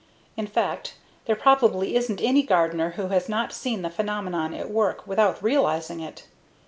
In fact, there probably isn't any gardener who has not seen the phenomenon at work without realizing it.